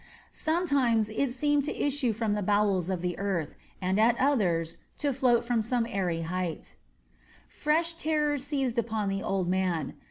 Sometimes it seemed to issue from the bowels of the earth, and at others to float from some airy height. Fresh horror seized upon the old man.